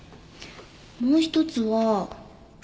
もう一つは。